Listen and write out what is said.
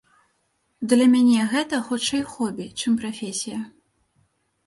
Для мяне гэта хутчэй хобі, чым прафесія.